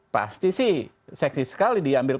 pasti sih seksi sekali diambil